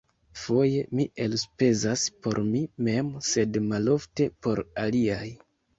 Foje mi elspezas por mi mem, sed malofte por aliaj.